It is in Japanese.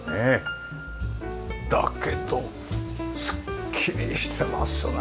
だけどすっきりしてますね！